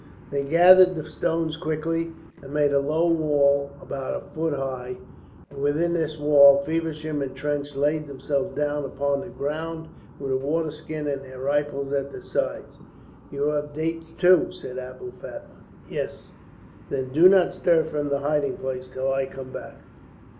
They gathered the stones quickly and made a low wall about a foot high; within this wall Feversham and Trench laid themselves down upon the ground with a water skin and their rifles at their sides. "You have dates, too," said Abou Fatma. "Yes." "Then do not stir from the hiding place till I come back.